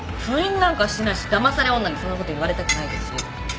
不倫なんかしてないしだまされ女にそんなこと言われたくないです。